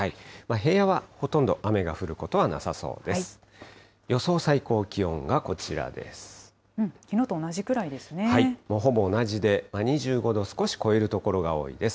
平野はほとんど雨が降ることはなさそうです。